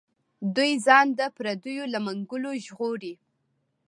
دوی ځان د پردیو له منګولو وژغوري.